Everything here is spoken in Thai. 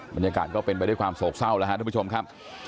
บรรยากาศก็เป็นไปด้วยความโศกเศร้าแล้วครับทุกผู้ชมครับ